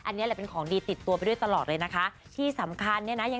เขามีของดีติดตัวนะจ๊ะ